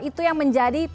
itu yang menjadi